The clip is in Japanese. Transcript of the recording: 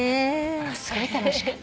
ものすごい楽しかった。